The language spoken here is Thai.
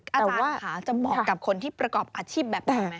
อาจารย์ค่ะจะเหมาะกับคนที่ประกอบอาชีพแบบไหนไหม